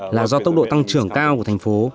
là do tốc độ tăng trưởng cao của thành phố